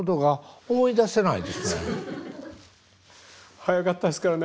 早かったですからね。